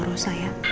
karena masalah mama